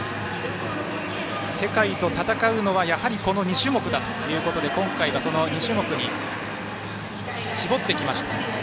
世界と戦うのは、やはりこの２種目だということで今回はその２種目に絞ってきました。